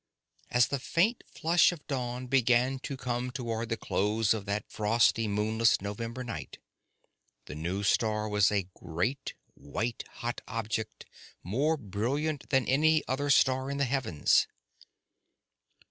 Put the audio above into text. As the faint flush of dawn began to come toward the close of that frosty, moonless November night, the new star was a great white hot object more brilliant than any other star in the heavens.